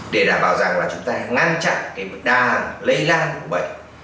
để đảm bảo rằng là chúng ta ngăn chặn cái đà lây lan của bệnh